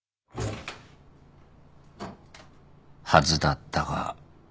はずだったが。